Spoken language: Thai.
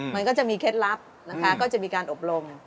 มันก็จะมีเคล็ดลับนะคะก็จะมีการอบรม